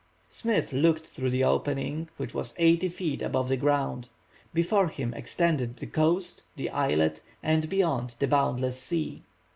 Smith looked through the opening, which was eighty feet above the ground. Before him extended the coast, the islet, and, beyond, the boundless sea.